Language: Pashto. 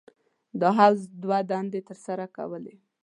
دا حوض دوه دندې تر سره کولې.